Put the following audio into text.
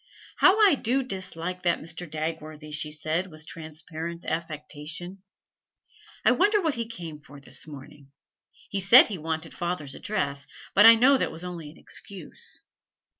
'How I do dislike that Mr. Dagworthy!' she said, with transparent affectation. 'I wonder what he came for this morning. He said he wanted father's address, but I know that was only an excuse.